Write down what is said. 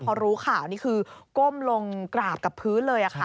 พอรู้ข่าวนี่คือก้มลงกราบกับพื้นเลยค่ะ